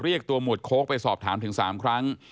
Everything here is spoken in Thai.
เรียกตัวหมวดโค้กไปสอบถามถึง๓ครั้ง